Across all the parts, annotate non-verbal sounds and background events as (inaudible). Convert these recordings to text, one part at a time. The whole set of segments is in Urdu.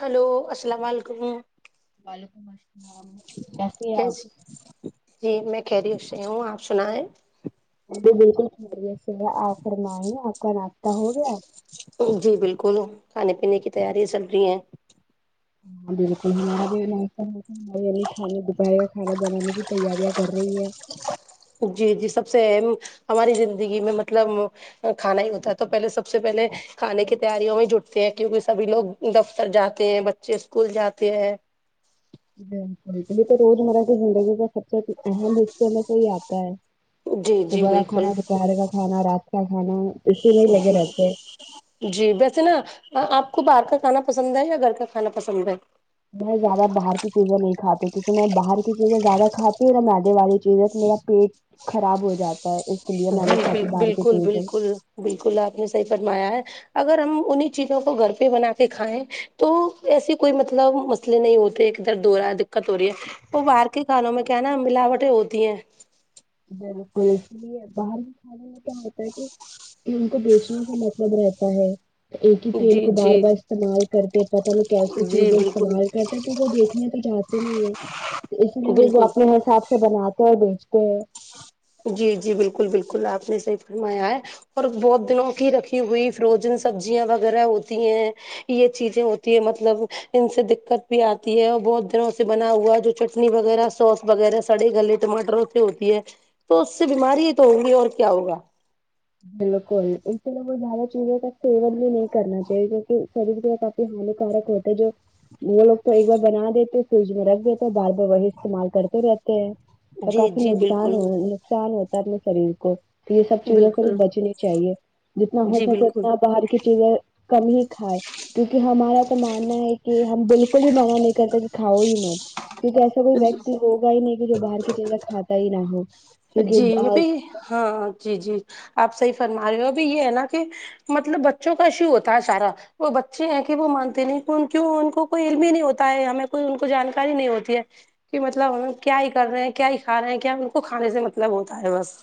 ہلو السلام علیکم وعلیکم السلام کیسی ہیں کیس آپی جی میں خیریت سے ہوں آپ سنائیں جی بالکل خیریت سے ہے آپ فرماے آپ کا ناشتہ ہو گیا جی بالکل کھانے پینے کی تیاری چل رہی ہیں ہاں بالکل ہمارا (unintelligible) کھانا دپے کا کھانا بنانے کی تیاریاں کر رہی ہے جی جی سب سے اہم ہماری زندگی میں مطلب کھانا ہی ہوتا ہے تو پہلے سب سے پہلے کھانے کی تیاریوں میں جٹتے ہیں کیونکہ سبھی لوگ دفتر جاتے ہیں بچے اسکول جاتے ہیں بالکل یہ تو روزمرہ کی زندگی کا سب سے اہم حصے میں سے ہی آتا ہے جی جی صبح کا بالکل کھانا دوپہر کا کھانا رات کا کھانا اسی میں ہی لگے رہتے جی ویسے نا آپ کو باہر کا کھانا پسند ہے یا گھر کا کھانا پسند ہے میں زیادہ باہر کی چیزیں نہیں کھاتی کیونکہ میں باہر کی چیزیں زیادہ کھاتی ہوں میدے والی چیزیں میرا پیٹ خراب ہو جاتا ہے اس لیے جی میں نہیں بال کھاتی باہر کی بالکل چیزیں بالکل بالکل آپ نے صحیح فرمایا ہے اگر ہم انہیں چیزوں کو گھر پہ بنا کے کھائیں تو ایسی کوئی مطلب مسلے نہیں ہوتے ادھر (unintelligible) دککت ہو رہی ہے وہ باہر کے کھانوں میں کیا ہے نا ملاوٹیں ہوتی ہیں بالکل اس لیے باہر ہی کھا کیا ہوتا ہے کہ کہ ان کو بیچنے کا مطلب رہتا ہے ایک ہی تیل جی کو بار جی بار استعمال کرتے پتا نہیں کیسی جی چیزیں بالکل استعمال کرتے کی وہ دیکھنے تو جاتے نہیں ہے اس لیے وہ وہ بالکل اپنے حساب سے بناتے ہیں بیچتے ہیں جی جی بالکل بالکل آپ نے صحیح فرمایا ہے اور بہت دنوں کی رکھی ہوئی فروزن سبزیاں وغیرہ ہوتی ہیں یہ چیزیں ہوتی ہے مطلب ان سے دککت بھی آتی ہے اور بہت دنوں سے بنا ہوا ہے جو چٹنی وغیرہ سوس وغیرہ سڑے گلے ٹماٹروں سے ہوتی ہے تو اس سے بیماری تو ہوگی اور کیا ہوگا بالکل ان سے (unintelligible) کوئی زیادہ چیزوں کا سیون بھی نہیں کرنا چاہیے کیونکہ شریر کے کو ہانیکارک ہوتے جو وہ لوگ تو ایک بار بنا دیتے فریج میں رکھ دیتے بار بار وہی استعمال کرتے رہتے ہیں تو جی کافی جی نقصان بالکل نقصان ہوتا ہے اپنے شریر کو تو یہ سب چیزوں بالکل بچنے چاہیے جتنا ہو جی سکے بالکل اتنا باہر کے چیزیں کم ہی کھائے کیونکہ ہمارا تو ماننا ہے کہ ہم بالکل بھی منع نہیں کرتے کہ کھاؤ ہی مت کیونکہ ایسا کوئی ویکتی ہوگا ہی نہیں کہ جو باہر کی چیزیں کھاتا ہی نا ہو جی کیونکہ ابھی ہاں جی جی آپ صحیح فرما رہے ہو ابھی یہ ہے نا کہ مطلب بچوں کا ایشو ہوتا ہے سارا وہ بچے ہیں کہ وہ مانتے نہیں کیوں ان کوئی علم ہی نہیں ہوتا ہے ہمیں کوئی ان کو جانکاری نہیں ہوتی ہے کہ مطلب ہم کیا ہی کر رہے ہیں کیا ہی کھا رہے ہیں کیا ان کو کھانے سے مطلب ہوتا ہے بس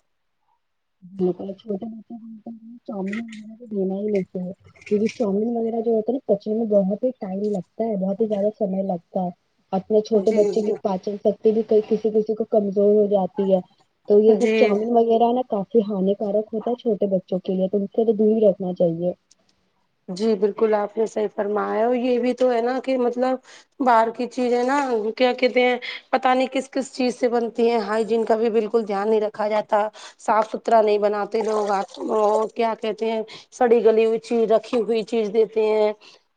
چھوٹے موٹے (unintelligible) چاؤین ویر تو دینا ہی لیتے ہیں کیونکہ چاؤمین وغیرہ جو ہوتا ہے نا پچنے میں بہت ہی ٹائم لگتا ہے بہت ہی زیادہ سمے لگتا ہے اپنے چھوٹے جی بچے جی کی پاچن شکتی بھی کئی کسی کسی کو کمزور ہو جاتی ہے تو یہ سب جی چاؤمین وغیرہ نا یہ ہانیکارک ہوتا ہے چھوٹے بچوں کے لیے تو ان سے تو دوری رکھنا چاہیے جی بالکل آپ نے صحیح فرمایا اور یہ بھی تو ہے نا کہ مطلب باہر کی چیز ہے نا کیا کہتے ہیں پتا نہیں کس کس چیز سے بنتی ہے ہائیجین کا بھی بالکل دھیان نہیں رکھا جاتا صاف ستھرا نہیں بناتے لوگ آ اور کیا کہتے ہیں سڑی گلی ہوئی چی رکھ رکھی ہوئی چیز دیتے ہیں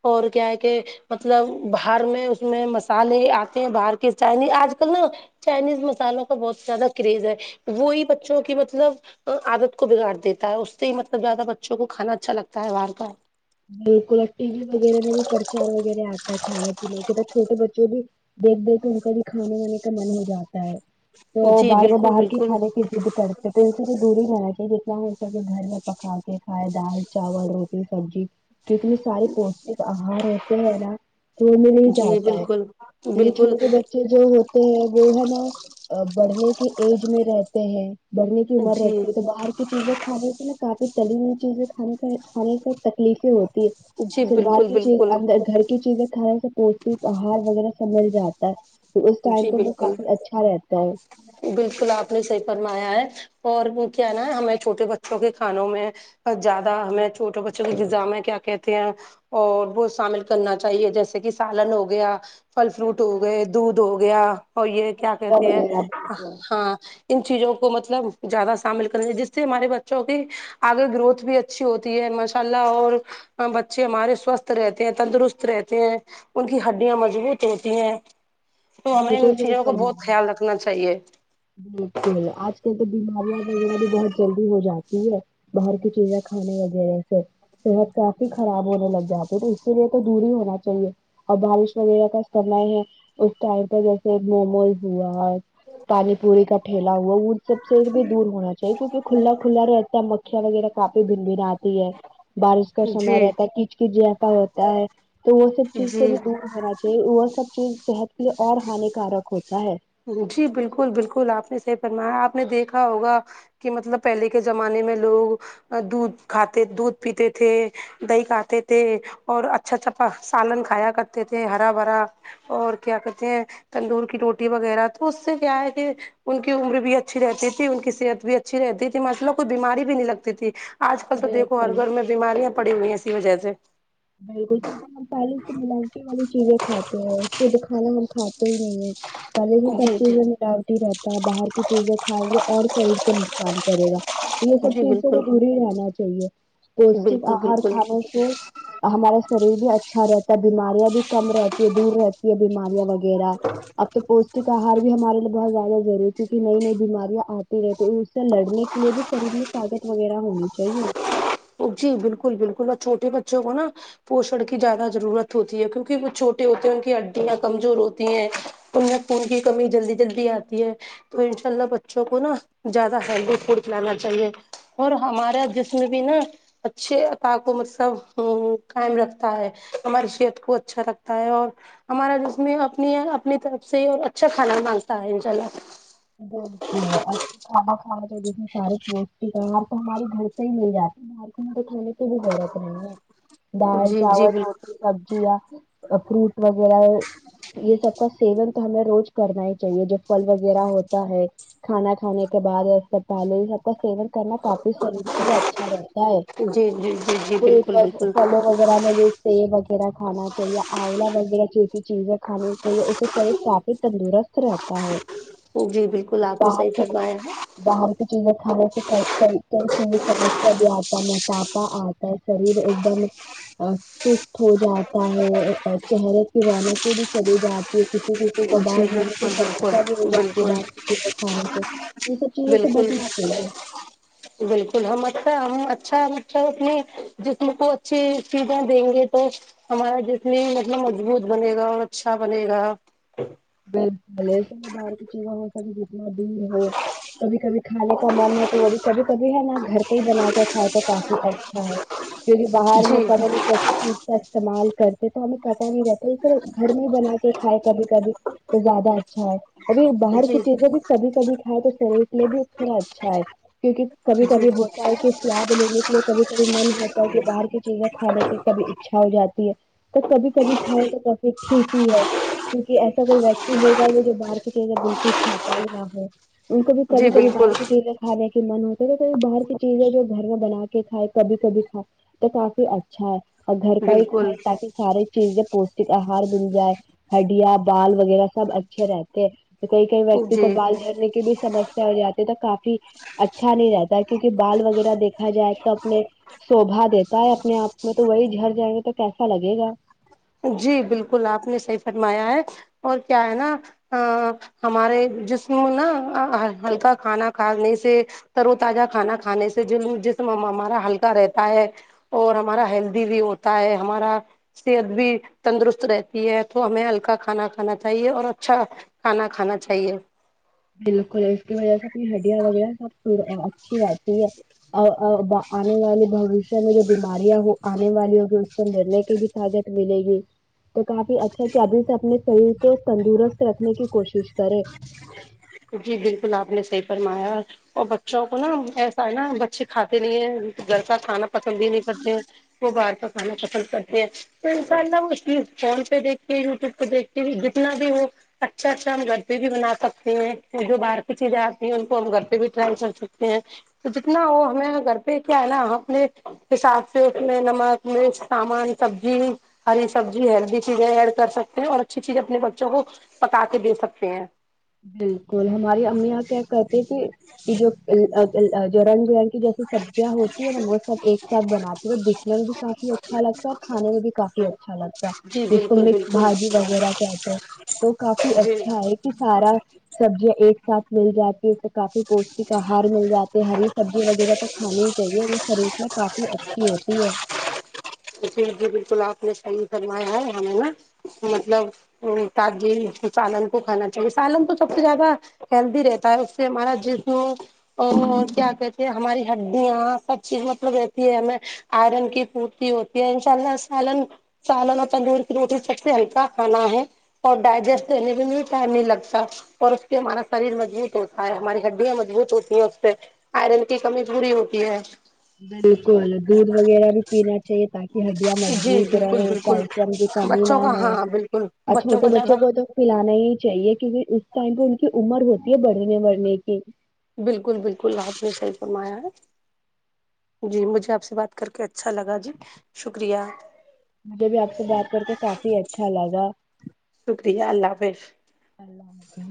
اور کیا ہے کہ مطلب باہر میں اس میں مسالے آتے ہیں باہر کی چائنی آج کل نا چائنیز مسالوں کا بہت زیادہ کریز ہے وہی بچوں کی مطلب عدت کو بگاڑ دیتا ہے اس سے ہی مطلب زیادہ بچوں کو کھانا اچھا لگتا ہے بار بار بالکل اور ٹی وی وغیرہ میں بھی پرچار وغیرہ آتا ہے کھانے پینے کے تو چھوٹے بچوں بھی دیکھ دیکھ تو ان کا بھی کھانے وانے کا من ہو جاتا ہے تو جی بار بار بالکل باہر کے بالکل کھانے کی کرتے تو ان س دور ہی لنا چاہیے جتنا ان سب گھر میں پکا کے کھائے دال چاول روٹی سبزی ٹھیک سارے پوشٹک آہار ہوتے ہیں نا دو میں نہیں جی جاتا ہے بالکل یہ بالکل چھوٹے بچے بچے جو ہوتے ہیں وہ ہے نا بڑھنے کی ایج میں رہتے ہیں بڑھنے کی عمر جی رہتی ہے تو باہر چیزیں کھانے سے نا کافی تلی ہوئی چیزیں کھا کھانے سے تکلیفیں ہوتی جی پھر باہر بالکل کی چیز بالکل اندر گھر کی چیزیں کھانے پوش آہار وغیرہ سب مل جاتا ہے تو اس جی ٹائم تو وہ بالکل کافی اچھا رہتا ہے بالکل آپ نے صحیح فرمایا ہے اور وہ کیا نا ہمیں چھوٹے بچوں کے کھانوں میں زیادہ ہمیں چھوٹے بچو کی غذا میں کیا کہتے ہیں اور وہ شامل کرنا چاہیے جیسے کہ سالن ہو گیا پھل فروٹ ہو گئے دودھ ہو گیا اور یہ کیا کہتے ہیں وغیرہ۔ بالکل ہاں ان چیزوں کو مطلب زیادہ شامل کرنا چاہیے جس سے ہمارے بچوں کے آگے گروتھ بھی اچھی ہوتی ہے ماشاءاللہ اور بچے ہمارے سوستھ رہتے ہیں تندرست رہتے ہیں ان کی ہڈیاں مضبوط ہوتی ہیں تو ہمیں ان بالکل صحیح چیزوں کو بہت فرمایا خیال رکھنا چاہیے بالکل آج کل تو بیماریاں وغیرہ بھی بہت جلدی ہو جاتی ہے باہر کی چیزیں کھانے وغیرہ سےر صحت کافی خراب ہونے لگ جاتی ہے تو اسی لیے تو دور ہی ہونا چاہیے اور بارش وغیرہ ہے ٹائپ جیسے موموز ہوا ہے پانی پوری کا ٹھیلا ہوا وہ سب سے بھی دور ہونا چاہیے کیونکہ کھلا کھلا رہتا ہے مکھیا وغیرہ کاپی بن بن آتی ہے بارش کا سمے جی رہتا ہے کچ کچ جیفہ ہوتا ہے تو وہ سب چیز سے جی بھی دور ہونا چاہی کہ وہ سب چیز صحت کی اور ہانیکارک ہوتا ہے جی بالکل بالکل آپ نے صحیح فرمایا آپ نے دیکھا ہوگا کہ مطلب پہلے کے زمانے میں لوگ دودھ کھاتے دودھ پیتے تھے دہی کھاتے تھے اور اچھا اچھا سالن کھایا کرتے تھے ہرا بھرا اور کیا کہتے ہیں تندور کی روٹی وغیرہ تو اس سے کیا ہے کہ ان کی عمر بھی اچھی رہتی تھی ان کی صحت بھی اچھی رہتی تھی ماشاءاللہ کوئی بیماری بھی نہیں لگتی تھی آج کل تو دیکھو ہر بالکل گھر میں بیماریاں پڑی ہوئی ہیں اسی وجہ سے بالکل ہم پہلے سے والی چیزیں کھاتے ہیں شدھ کھانا ہم کھاتے ہی نہیں ہے پہلے ہی سب جی جی چیزیں ملا رہتا ہے باہر کی چیزیں کھائیں گی اور شریر کو نقصان کرے گا یہ سب جی چیز سے تو بالکل دور ہی رہنا چاہیے پوشٹک بالکل آہار بالکل کھانے سے ہمارا شریر بھی اچھا رہتا ہے بیماریاں بھی کم رہتی ہے دور رہتی ہے بیماریاں وغیر غیرہ تو پوشٹک آہار بھی ہمارے لیے بہت زیادہ ضروری ہے کیونکہ نئی نئی بیماریاں آتی رہیں تو اس سے لڑنے کے لیے بھی شریر میں طاقت وغیرہ ہونی چاہیے جی بالکل بالکل اور چھوٹے بچوں کو نا پوشن کی زیادہ ضرورت ہوتی ہے کیونکہ وہ چھوٹے ہوتے ہیں ان کی ہڈیاں کمزور ہوتی ہیں انھیں خون کی کمی جلدی جلدی آتی ہے تو ان شاء اللہ بچوں کو نا زیادہ ہیلتھی فوڈ کھلانا چاہیے اور ہمارا جسم بھی نا اچھے قائم رکھتا ہے ہماری صحت کو اچھا رکھتا ہے اور ہمارا جسم بھی اپنی اپنی طرف سے اور اچھا کھانا مانگتا ہے انشاء اللہ بالکل اچھا کھانا کھانے سارے پوشٹک آہار تو ہمارے گھر سے ہی مل جاتی دال جی جی چاول بالکل روٹی سبزیاں اور فروٹ وغیرہ یہ سب کا سیون تو ہمیں روز کرنا ہی چاہیے جو پھل وغیرہ ہوتا ہے کھانا کھانے کے بعد اور پہلے ہی سب کا سیون کرنا کافی شریر کے لیے اچھا رہتا ہے جی جی جی جی فروٹ بالکل بالکل وغ- پھلوں وغیرہ میں جیسے سیب وغیرہ کھانا چاہیے آملہ وغیرہ جیسی چیزیں کھانی چاہیے اس سے شریر کافی تندرست رہتا ہے جی بالکل آپ نے باہر صحیح کی فرمایا ہے باہر کی چیزیں کھانے سے کئ کئی کئی چیزیں سمسیا بھی آتا ہے موٹا پا آتا ہے شریر ایک دم سست ہو جاتا ہے چہرے کی رونقیں بھی چلی جاتی کسی کسی جی کو بال بالکل جھڑنے کی بالکل سمسیا بھی ہو جاتی بالکل باہر کی چیزیں کھانے سے یہ سب چیزوں سے بالکل بچنا چاہیے بالکل ہم اچھا ہم اچھا اچھا اپنے جسم کو اچھی چیزیں دیں گے تو ہمارا جسم بھی مطلب مضبوط بنے گا اور اچھا بنے گا باہر کی چیزوں سے سبھی جتنا دور رہے کبھی کبھی کھانے کا من ہے تو وہ بھی کبھی کبھی ہے نا گھر پہ ہی بنا کے کھاتے تو کافی اچھا ہے کیونکہ باہر میں جی پتہ نہیں کیسی چیز کا استعمال کرتے تو ہمیں پتہ نہیں رہتا صرف گھر میں ہی بنا کے کھائے کبھی کبھی تو زیادہ اچھا ہے ابھی باہر کی جی چیزیں بھی کبھی کبھی کھائے تو شریر کے لیے بھی تھوڑا اچھا ہے کیونکہ کبھی جی کبھی ہوتا ہے کہ سواد لینے کے لیے کبھی کبھی من ہوتا ہے کہ باہر کی چیزیں کھانے کے کبھی اچھا ہو جاتی ہے تو کبھی کبھی کھاؤ تو کافی ٹھیک ہی ہے کیونکہ ایسا کوئی ویکتی ہوگا جو باہر کی چیزیں بالکل کھاتا ہی نہ ہو ان کو بھی کبھی جی کبھی باہر بالکل کی چیزیں کھانے کے من ہوتا تو کبھی باہر کی چیزیں جو گھر میں بنا کے کھائے کبھی کبھی کھا تو کافی اچھا ہے اور گھر کا ہی بالکل کھائے تاکہ سارے چیزیں پوشٹک آہار مل جائے ہڈیاں بال وغیرہ سب اچھے رہتے ہیں تو کوئی کوئی ویکتی کو جی بال جھڑنے کی بھی سمسیا ہو جاتے تو کافی اچھا نہیں رہتا ہے کیونکہ بال وغیرہ دیکھا جائے تو اپنے شوبھا دیتا ہے اپنے آپ میں تو وہی جھٹر جائیں گے تو کیسا لگے گا جی بالکل آپ نے صحیح فرمایا ہے اور کیا ہے نا آں ہمارے جسم نا ہلکا کھانا کھانے سے ترو تازہ کھانا کھانے سے جسم ہمارا ہلکا رہتا ہے اور ہمارا ہیلدی بھی ہوتا ہے ہمارا صحت بھی تندرست رہتی ہے تو ہمیں ہلکا کھانا کھانا چاہیے اور اچھا کھانا کھانا چاہیے بالکل ہے اس کی وجہ سے اپنی ہڈیاں وغیرہ سب اچھی رہتی ہے اور آنے والی بھوش میں جو بیماریاں آنے والے لڑنے کی بھی طاقت ملے گی تو کافی اچھا کہ ابھی سے اپنے شریر کو تندرست رکھنے کی کوشش کریں جی بالکل آپ نے صحی پرمایا اور بچوں کو نا ایسا ہے نا بچے کھاتے نہیں ہے گھر کا کھانا پسند بھی نہیں کرتے ہیں وہ باہر کا کھانا پسند کرتے ہیں تو ان شاء اللہ وہ چیز فون پہ دیکھ کے یوٹیوب پہ دیکھ کے جتنا بھی ہو اچھا اچھا ہم (unintelligible) پہ بھی بنا سکتے ہیں جو باہر کی چیزیں آتی ہیں ان کو ہم گھر پہ بھی ڈراے کر سکتے ہیں تو جتنا وہ ہمیں گھر پہ کیا ہے نا اپنے حساب سے اس میں نمک مرچ سامان سبزی ہری سبزی ہیلدی چیزیں ایڈ کر سکتے ہیں اور اچھی چیزیں اپنے بچوں کو پکا کے دے سکتے ہیں بالکل ہماری اممیاں کیا کہتی کہ جو جو رنگ برنگ کی جیسے سبزیاں ہوتی ہے نا وہ سب ایک ساتھ بناتے ہے تو دکھنے میں بھی کافی اچھا لگتا ہے اور کھانے میں بھی کافی اچھا اچھا لگتا جی ہے جس کو بالکل مکس بالکل بھاجی وغیرہ کہتے ہیں تو کافی جی اچھا ہے کہ سارا سبزیاں ایک ساتھ مل جاتے کے کافی پوشٹک آہار مل جاتے ہری سبزی وغیرہ تو کھانی ہی چاہیے شریر کے لیے کافی اچھی ہوتی ہے تو پھر جی بالکل آپ نے سہی فرمایا ہے ہمیں نا مطلب کاجی سالن کو کھانا چاہیے سالن تو سب سے زیادہ ہیلدی رہتا ہے کے مارا جسم میں اور کیا کہتے ہماری ہڈیاں سب چیز مطلب رہتی ہے ہمیں آئرن کی پورتی ہوتی ہے ان شاء اللہ سالن سالن تنندور کی روٹی سب سے ہلکا کھانا ہے اور ڈائجیسٹ کرنے کے لئے ٹائم نہیں لگتا اور اس سے ہمارا شریر مضبوط ہوتا اور ہماری ہڈیاں مضبوط ہوتی ہیں اس سے آئرن کی کمی پوری ہوتی ہے بالکل دودھ وغیرہ بھی پیینا چاہیے تاک ہڈیاں جی مضبوط بالکل رہے بالکل (unintelligible) کی کمی بچوں نہ کا ہو ہاں بالکل اور کا چھوٹے زیادہ بچوں کو تو پلانا ہی چاہیے کیونکہ اس ٹائم پہ ان کی عمر ہوتی ہے بڑھنے بڑھنے کی بالکل بالکل آپ نے صحیح فرمایا ہے جی مجھے آپ سے بات کر کے اچھا لگا جی شکریہ مجھے بھی آپ سے بات کر کے کافی اچھا لگا شکریہ اللہ حافظ اللہ حافظ